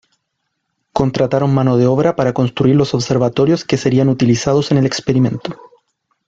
Contrataron mano de obra para construir los observatorios que serían utilizados en el experimento.